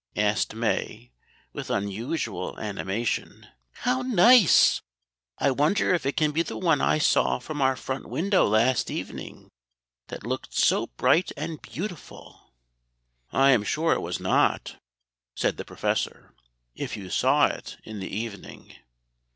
asked May, with unusual animation. "How nice! I wonder if it can be the one I saw from our front window last evening, that looked so bright and beautiful?" "I am sure it was not," said the Professor, "if you saw it in the evening."